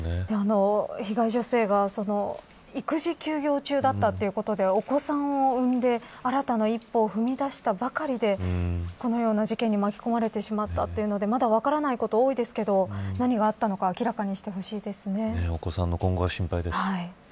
被害女性が育児休業中だったということでお子さんを産んで新たな一歩を踏み出したばかりでこのような事件に巻き込まれてしまったというのでまだ分からないこと多いですけど何があったのかお子さんの今後が心配です。